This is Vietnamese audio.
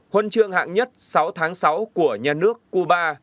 huân chương hạng nhất sáu tháng sáu của nhà nước cuba